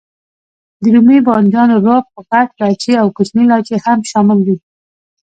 د رومي بانجانو روب، غټ لاچي او کوچنی لاچي هم شامل دي.